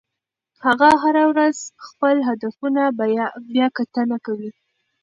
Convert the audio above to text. هغه هره ورځ خپل هدفونه بیاکتنه کوي.